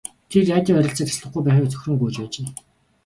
Тэд радио харилцааг таслахгүй байхыг цөхрөн гуйж байжээ.